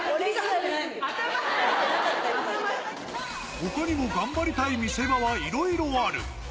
他にも頑張りたい見せ場はいろいろある。